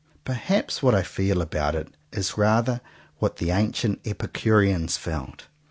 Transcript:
Perhaps what I feel about it is rather what the ancient Epicureans felt.